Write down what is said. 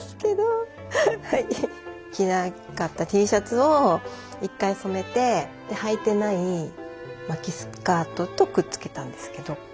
着なかったＴシャツを一回染めてはいてない巻きスカートとくっつけたんですけど。